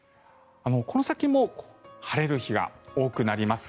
この先も晴れる日が多くなります。